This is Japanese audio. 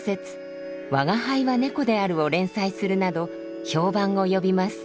「吾輩は猫である」を連載するなど評判を呼びます。